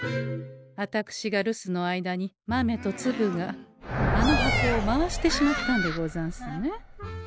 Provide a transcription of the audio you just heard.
あたくしが留守の間にまめとつぶがあの箱を回してしまったんでござんすね。